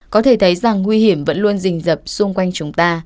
có thể thấy rằng nguy hiểm vẫn luôn rình dập xung quanh chúng ta